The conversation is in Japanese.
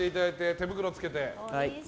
手袋をつけて。